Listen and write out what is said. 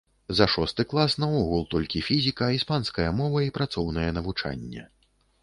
За шосты клас наогул толькі фізіка, іспанская мова і працоўнае навучанне.